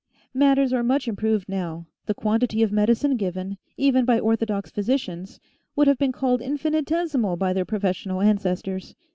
Matters are much improved now ; the quantity of medicine given, even by orthodox physicians, would have been called infinitesi mal by their professional ancestors.